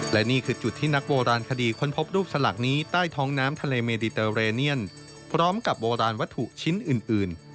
และนี่คือจุดที่นักโบราณคดีค้นพบรูปสลักนี้ใต้ท้องน้ำทะเลเมดิเตอร์เรเนียนพร้อมกับโบราณวัตถุชิ้นอื่น